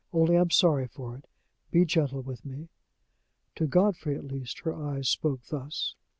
Only I am sorry for it. Be gentle with me." To Godfrey, at least, her eyes spoke thus.